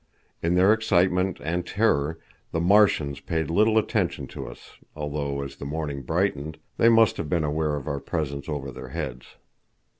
In their excitement and terror the Martians paid little attention to us, although, as the morning brightened, they must have been aware of our presence over their heads.